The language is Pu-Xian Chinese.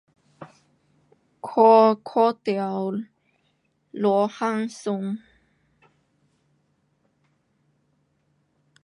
我看到罗汉鈡。